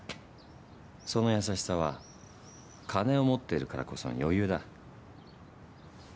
その優しさは金を持ってるからこその余裕だ。